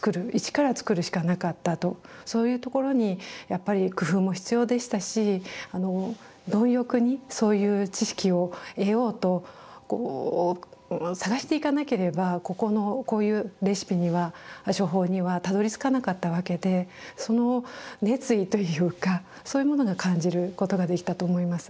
そういうところにやっぱり工夫も必要でしたしあの貪欲にそういう知識を得ようとこう探していかなければここのこういうレシピには処方にはたどりつかなかったわけでその熱意というかそういうものが感じることができたと思います。